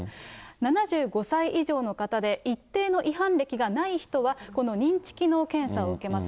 ７５歳以上の方で、一定の違反歴がない人はこの認知機能検査を受けます。